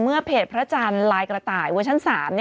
เมื่อเพจพระอาจารย์ไลน์กระต่ายเวอร์ชั้น๓